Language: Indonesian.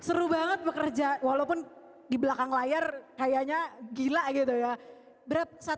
seru banget bekerja walaupun di belakang layar kayaknya gila gitu ya